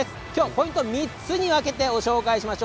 ポイント３つに分けてご紹介します。